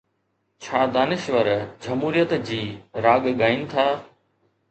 ڇا دانشور جمهوريت جي راڳ ڳائين ٿا؟